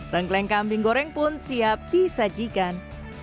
tengkleng kambing goreng pun siap disajikan